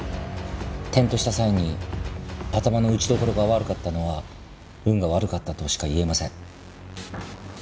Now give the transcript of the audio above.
転倒した際に頭の打ち所が悪かったのは運が悪かったとしか言えません。